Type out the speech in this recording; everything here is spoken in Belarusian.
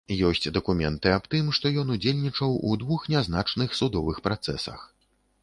Ёсць дакументы аб тым, што ён удзельнічаў у двух нязначных судовых працэсах.